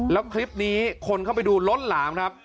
แล้วคลิปนี้คนเข้าไปดูล้นหลามครับ